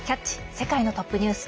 世界のトップニュース」。